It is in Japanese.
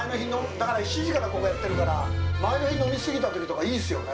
だから、７時からここやってるから、前の日、飲み過ぎたときとか、いいですよね。